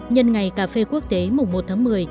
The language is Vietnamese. nhân ngày cà phê quốc tế mùng một tháng một mươi